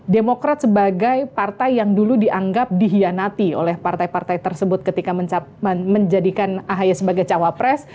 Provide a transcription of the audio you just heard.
demokrat sebagai partai yang dulu dianggap dihianati oleh partai partai tersebut ketika menjadikan ahy sebagai cawapres